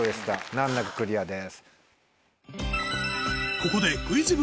難なくクリアです。